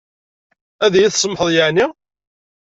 Ad yi-tsamḥeḍ yeɛni?